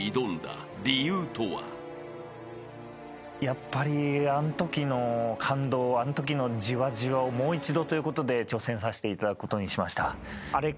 やっぱりあのときの感動あのときのじわじわをもう一度ということで挑戦させていただくことにしました。